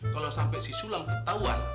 kalo sampe si sulam ketauan